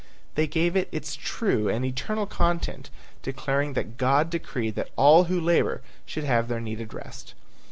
They gave it its true and eternal content, declaring that God decreed that all who labor should have their needed rest.